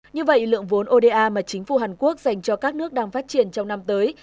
như vậy lượng vốn oda mà chính phủ hàn quốc dành cho các nước đang phát triển trong năm tới